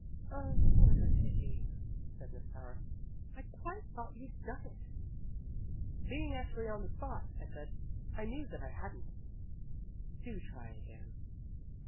"Oh, what a pity!" said Miss Power. "I quite thought you'd done it." "Being actually on the spot," I said, "I knew that I hadn't." "Do try again."